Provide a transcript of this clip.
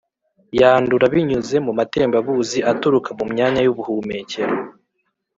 Yandura binyuze mu matembabuzi aturuka mu myanya y’ubuhumekero.